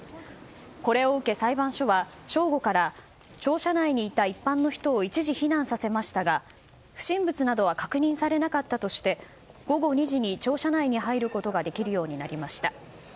これを受け、裁判所は正午から庁舎内にいた一般の人を一時避難させましたが不審物などは確認されなかったとして午後２時に庁舎内に入ることができるようになりました。